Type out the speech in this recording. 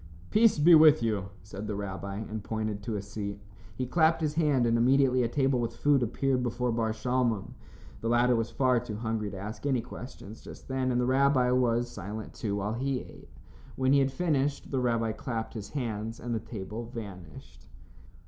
"Peace be with you," said the rabbi, and pointed to a seat. He clapped his hand and immediately a table with food appeared before Bar Shalmon. The latter was far too hungry to ask any questions just then, and the rabbi was silent, too, while he ate. When he had finished, the rabbi clapped his hands and the table vanished.